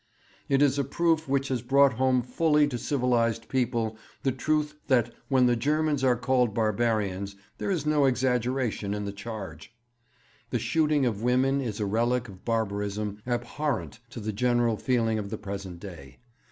It is a proof which has brought home fully to civilized people the truth that when the Germans are called barbarians there is no exaggeration in the charge. The shooting of women is a relic of barbarism abhorrent to the general feeling of the present day.